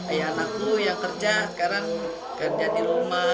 ayah anakku yang kerja sekarang kerja di rumah